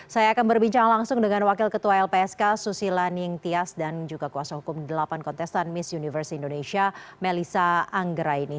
saya akan berbincang langsung dengan wakil ketua lpsk susi la ningtyas dan juga kuasa hukum delapan kontestan miss universe indonesia melisa anggera ini